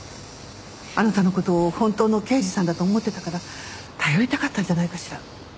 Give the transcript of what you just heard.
あなたの事を本当の刑事さんだと思ってたから頼りたかったんじゃないかしら？